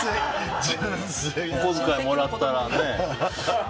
お小遣いもらったらね。